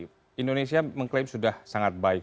tapi indonesia mengklaim sudah sangat baik